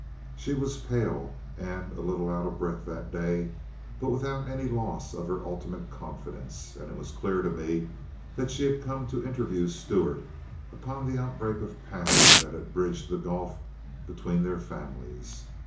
She was pale and a little out of breath that day, but without any loss of her ultimate confidence, and it was clear to me that she had come to interview Stuart upon the outbreak of passion that had bridged the gulf between their families.